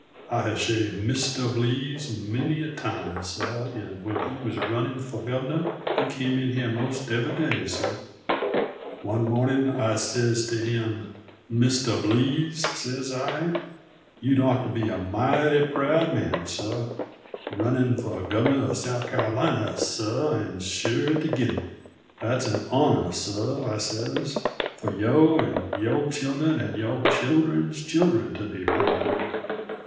I have shaved Mistuh Blease many a time, suh, an' when he was runnin' fo' Governah he came in hyere most every day, suh. One mornin' I says to him, 'Mistuh Blease,' says I, 'you'd ought to be a mighty proud man, suh, runnin' fo' Governah of South Cyarolina, suh, an' sure to git it. That's an honah, suh,' I says, 'fo' yo' and yo' children and yo' children's children to be proud of.'